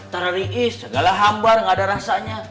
teroris segala hambar nggak ada rasanya